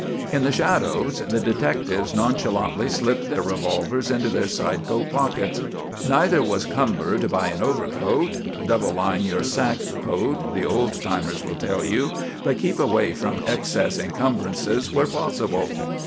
In the shadows the detectives nonchalantly slipped their revolvers into their side coat pockets. Neither was cumbered by an overcoat; double line your sack coat, the old timers will tell you, but keep away from excess encumbrances where possible.